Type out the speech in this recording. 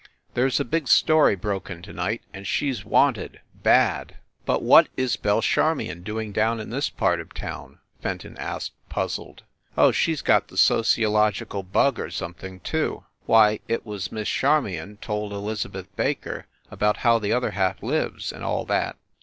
"There s a big story broken to night, and she s wanted, bad." "But what is Belle Charmion doing down in this part of town?" Fenton asked puzzled. "Oh, she s got the sociological bug or something, too. Why, it was Miss Charmion told Elizabeth Baker about How the Other Half Lives and all that.